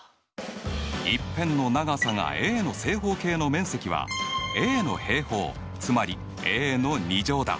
一辺の長さがａの正方形の面積はａの平方つまりａの２乗だ。